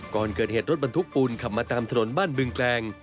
ก่อนเกิดเหตุรถบรรทุกปูนขับมาตามถนนบ้านบึงแกลง